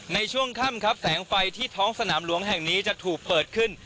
ในช่วงค่ำครับแสงไฟที่ท้องสนามหลวงแห่งนี้จะถูกเปิดขึ้น